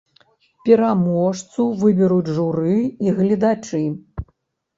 Пераможцу выберуць журы і гледачы.